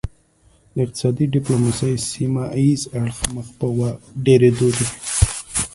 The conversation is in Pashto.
د اقتصادي ډیپلوماسي سیمه ایز اړخ مخ په ډیریدو دی